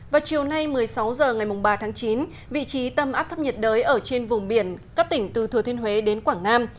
vào chiều nay một mươi sáu h ngày ba tháng chín vị trí tâm áp thấp nhiệt đới ở trên vùng biển các tỉnh từ thừa thiên huế đến quảng nam